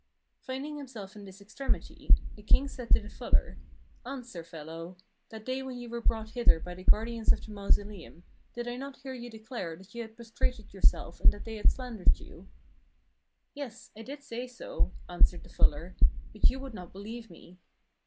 " Finding himself in this extremity , the king said to the fuller :' Answer, fellow ! that day when you were brought hither by the guardians of the mausoleum, did not I hear you declare that you had prostrated yourself and that they had slandered you?' 'Yes, I did say so,' answered the fuller, 'but you would not believe me.'